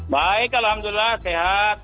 baik alhamdulillah sehat